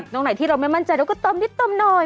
ตรงไหนที่เราไม่มั่นใจเราก็เติมนิดเติมหน่อย